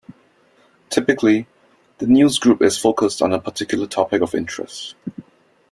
Typically, the newsgroup is focused on a particular topic of interest.